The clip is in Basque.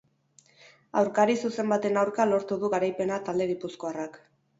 Aurkari zuzen baten aurka lortu du garaipena talde gipuzkoarrak.